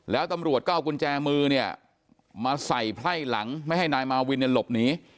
แล้วตำรวจก็เอากุญแจมือเนี่ยมาใส่ไพ่หลังไม่ให้นายมาวินเนี่ยหลบหนี